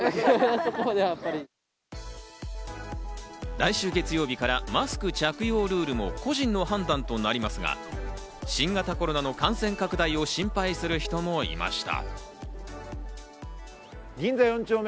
来週月曜日からマスク着用ルールも個人の判断となりますが、新型コロナの感染拡大を心配する人もいました。